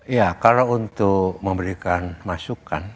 ya kalau untuk memberikan masukan